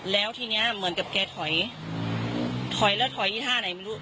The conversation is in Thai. แล้วทีนี้เหมือนกับแกถอยถอยแล้วถอยอีท่าไหนไม่รู้